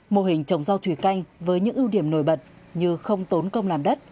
mô hình trồng rau thủy canh với những ưu điểm nổi bật như không tốn công làm đất